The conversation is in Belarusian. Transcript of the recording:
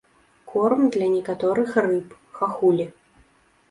Корм для некаторых рыб, хахулі.